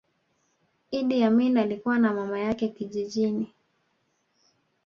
Idi Amin alikua na mama yake kijijini